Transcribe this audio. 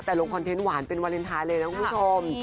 แต่ลงคอนเทนต์หวานเป็นวาเลนไทยเลยนะคุณผู้ชม